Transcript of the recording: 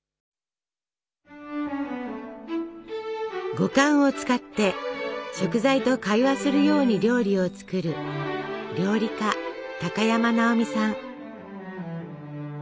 五感を使って食材と会話するように料理を作る料理家高山なおみさん。